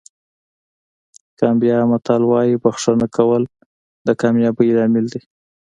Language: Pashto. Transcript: د ګامبیا متل وایي بښنه کول د کامیابۍ لامل دی.